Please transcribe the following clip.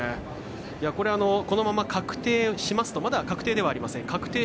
このまま確定しますとまだ確定ではありません。